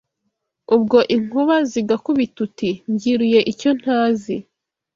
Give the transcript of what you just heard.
Ubwo inkuba zigakubita Uti: mbyiruye icyontazi